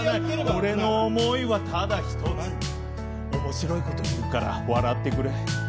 俺の思いはただ一つ、面白いこと言うから笑ってくれ。